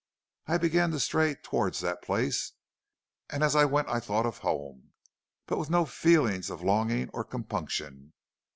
I began to stray towards that place. As I went I thought of home, but with no feelings of longing or compunction.